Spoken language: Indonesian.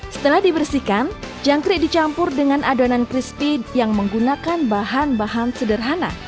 setelah dibersihkan jangkrik dicampur dengan adonan crispy yang menggunakan bahan bahan sederhana